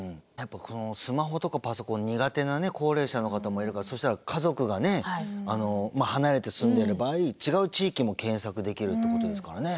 スマホとかパソコン苦手な高齢者の方もいるからそうしたら家族がね離れて住んでる場合違う地域も検索できるってことですからね。